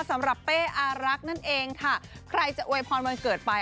เป้อารักนั่นเองค่ะใครจะอวยพรวันเกิดไป